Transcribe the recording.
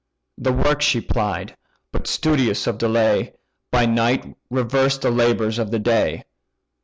The work she plied; but, studious of delay, By night reversed the labours of the day.